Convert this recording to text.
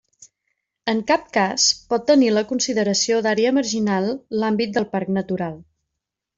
En cap cas pot tenir la consideració d'àrea marginal l'àmbit del parc natural.